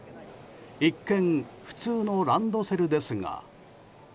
一見、普通のランドセルですが。